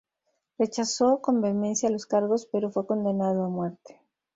Rechazó con vehemencia los cargos, pero fue condenado a muerte.